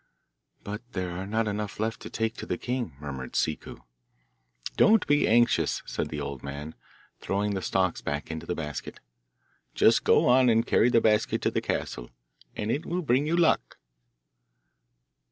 'But there are not enough left to take to the king,' murmured Ciccu. 'Don't be anxious,' said the old man, throwing the stalks back into the basket; 'just go on and carry the basket to the castle, and it will bring you luck.